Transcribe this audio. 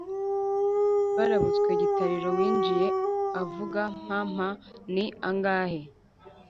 barabutswe gitariro winjiye avuga mpa, mpa ni angahe